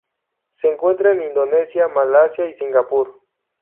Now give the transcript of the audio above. Se encuentra en Indonesia, Malasia y Singapur.